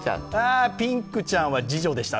ピンクちゃんは次女でした。